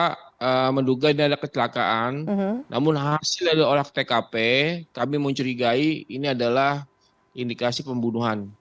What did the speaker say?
kita menduga ini ada kecelakaan namun hasil dari olah tkp kami mencurigai ini adalah indikasi pembunuhan